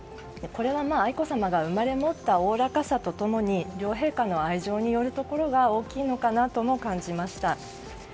これは、愛子さまが生まれ持ったおおらかさと共に両陛下の愛情によるところが大きいのかなとも感じました。